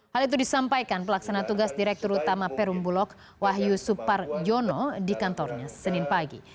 hal itu disampaikan pelaksana tugas direktur utama perum bulog wahyu suparjono di kantornya senin pagi